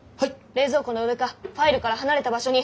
冷蔵庫の上かファイルから離れた場所に。